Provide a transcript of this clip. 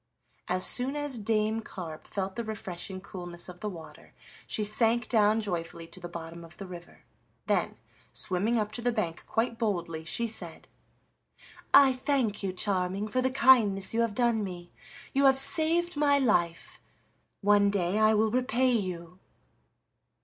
As soon as Dame Carp felt the refreshing coolness of the water she sank down joyfully to the bottom of the river, then, swimming up to the bank quite boldly, she said: "I thank you, Charming, for the kindness you have done me. You have saved my life; one day I will repay you."